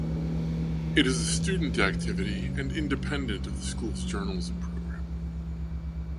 It is a student activity, and independent of the school's journalism program.